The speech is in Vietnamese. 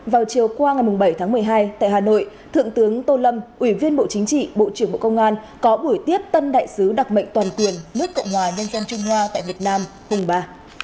vào chiều qua ngày bảy tháng một mươi hai tại hà nội thượng tướng tô lâm ủy viên bộ chính trị bộ trưởng bộ công an có buổi tiếp tân đại sứ đặc mệnh toàn quyền nước cộng hòa nhân dân trung hoa tại việt nam hùng ba